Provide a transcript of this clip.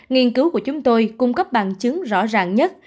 nghiên cứu của chúng tôi cung cấp bằng chứng rõ ràng nhất